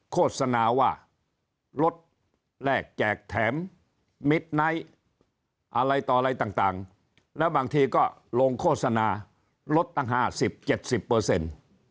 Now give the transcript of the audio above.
โฆษณาว่ารถแรกแจกแถมมิดไนท์อะไรต่ออะไรต่างแล้วบางทีก็ลงโฆษณาลดตั้ง๕๐๗๐